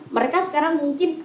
mereka sekarang mungkin